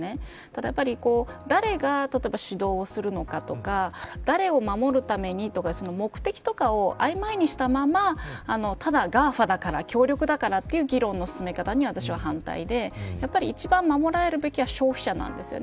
ただ、誰が主導するのかとか誰を守るためにとか目的とかを曖昧にしたままただＧＡＦＡだから、強力だからという議論の進め方には私は反対で一番守られるべきは消費者なんです。